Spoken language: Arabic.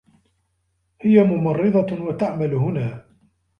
هي ممرّضة و تعمل هنا.